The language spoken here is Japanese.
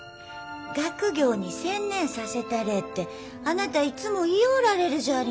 学業に専念させたれえってあなたいつも言ようられるじゃありませんか。